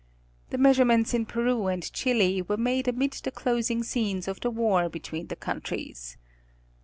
The measurements in Peru and Chili were made amid the closing scenes of the war between the countries.